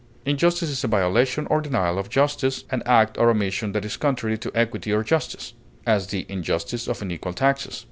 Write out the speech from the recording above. iniquity, Injustice is a violation or denial of justice, an act or omission that is contrary to equity or justice; as, the injustice of unequal taxes.